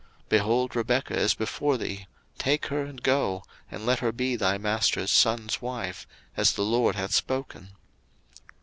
01:024:051 Behold, Rebekah is before thee, take her, and go, and let her be thy master's son's wife, as the LORD hath spoken.